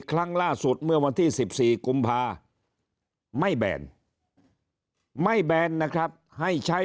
ครั้งล่าสุดเมื่อวันที่๑๔กุมภาไม่แบนไม่แบนนะครับให้ใช้